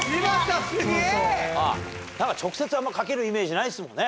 なんか直接あんまかけるイメージないですもんね。